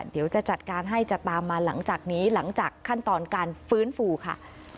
เดี๋ยวจะจัดการให้จะตามมาหลังจากนี้หลังจากขั้นตอนการฟื้นฟูค่ะ